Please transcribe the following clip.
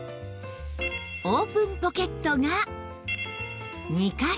オープンポケットが２カ所